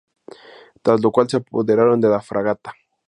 Tras lo cual se apoderaron de la fragata.